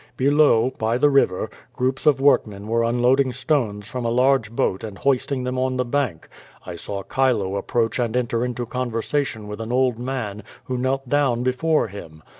Below, by the river, groups of workmen were unloading stones from a large boat and hoisting them on the bank. I saw Chilo approach and enter into conversa tion with an old man, who knelt down before him.